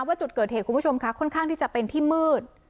ว่าจุดเกิดเหตุคุณผู้ชมค่ะค่อนข้างที่จะเป็นที่มืด